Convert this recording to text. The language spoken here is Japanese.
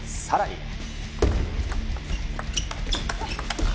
さらに。